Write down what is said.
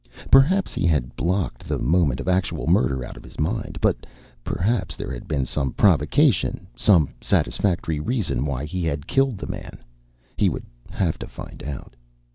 Perhaps he had blocked the moment of actual murder out of his mind; but perhaps there had been some provocation, some satisfactory reason why he had killed the man. He would have to find out.